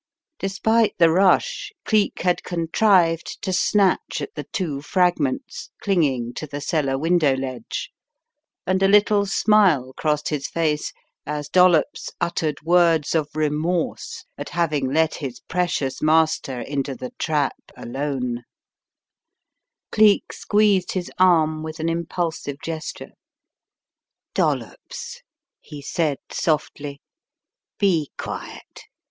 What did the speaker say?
Despite the rush, Cleek had contrived to snatch at the two fragments clinging to the cellar window ledge, and a little smile crossed his face as Dollops uttered words of remorse at having let his precious master into the trap alone. 216 The Riddle of the Purple Emperor Cleek squeezed his arm with an impulsive gesture. "Dollops," he said, softly. "Be quiet.